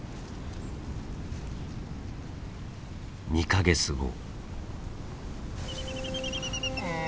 ２か月後。